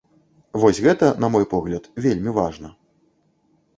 Вось гэта, на мой погляд, вельмі важна.